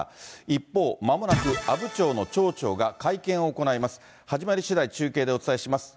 一方、まもなく阿武町の町長が会見を行います。